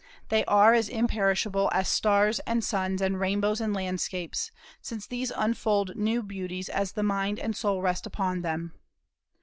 They are as imperishable as stars and suns and rainbows and landscapes, since these unfold new beauties as the mind and soul rest upon them.